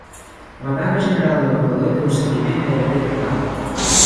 La vaga general de l'Equador té un seguiment gairebé total